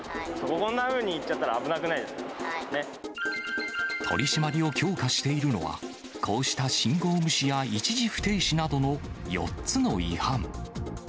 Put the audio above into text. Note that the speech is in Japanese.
こんなふうに行っちゃったら危な取締りを強化しているのは、こうした信号無視や一時不停止などの４つの違反。